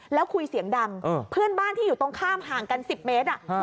แล้วคุยเสียงดังเพื่อนบ้านที่อยู่ตรงข้ามห่างกัน๑๐เมตร